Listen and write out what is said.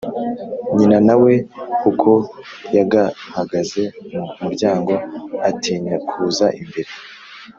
nyina na we uko yagahagaze mu muryango atinya kuza imbere,